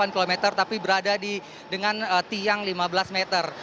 tiga puluh delapan kilometer tapi berada di dengan tiang lima belas meter